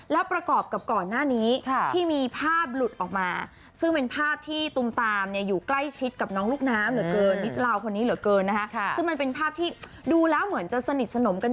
แล้วประกอบกับก่อนหน้านี้